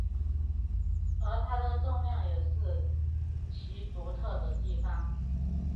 而它的重量也是其独特的地方。